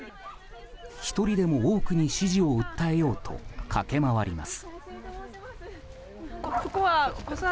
１人でも多くに支持を訴えようと駆け回ります。